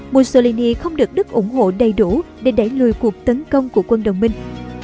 mussolini không được đức ủng hộ đầy đủ để đẩy lùi cuộc tấn công của quân đồng minh